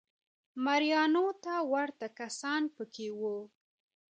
مریانو ته ورته کسان په کې وو